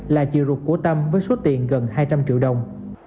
đối tượng của tâm với số tiền gần hai trăm linh triệu đồng